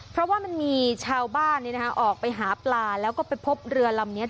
เพราะว่ามันมีชาวบ้านออกไปหาปลาแล้วก็ไปพบเรือลำนี้